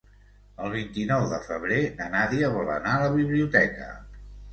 El vint-i-nou de febrer na Nàdia vol anar a la biblioteca.